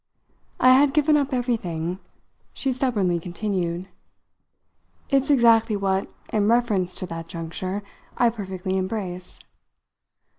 "I had given up everything," she stubbornly continued. "It's exactly what, in reference to that juncture, I perfectly embrace."